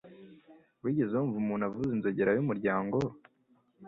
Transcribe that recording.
Wigeze wumva umuntu avuza inzogera y'umuryango